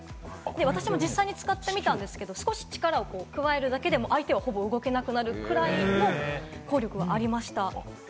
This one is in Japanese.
私も実際に使ってみたんですけど、少し力を加えるだけでも相手が動けなくなるぐらいの効力はありました。